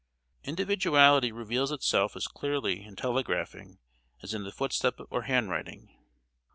Individuality reveals itself as clearly in telegraphing as in the footstep or handwriting.